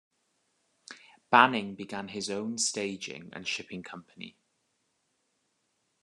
Banning began his own staging and shipping company.